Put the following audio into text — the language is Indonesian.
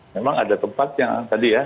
memang ada tempat yang tadi ya